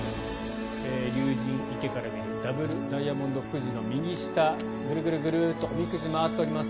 竜神池から見るダブルダイヤモンド富士の右下グルグルッとおみくじが回っております。